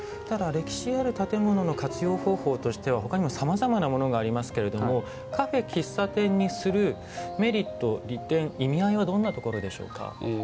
ただ歴史ある建物の活用方法としてはほかにもさまざまなものがありますけれどもカフェ・喫茶店にするメリット利点意味合いはどんなところでしょうか？